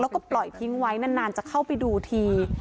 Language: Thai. แล้วก็ปล่อยทิ้งไว้นานจะเข้าไปดูที